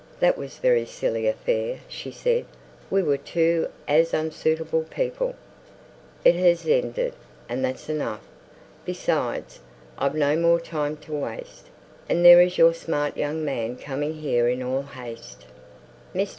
"That was a very silly affair," she said. "We were two as unsuitable people " "It has ended, and that's enough. Besides, I've no more time to waste; and there's your smart young man coming here in all haste." Mr.